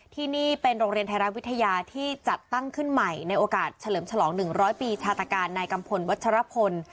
ที่นี่เป็นโรงเรียนไทยรัฐวิทยาที่จัดตั้งขึ้นใหม่ในโอกาสเฉลิมฉลอง๑๐๐ปีชาตการนายกัมพลวัชรพล